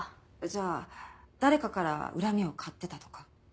じゃあ誰かから恨みを買ってたとか。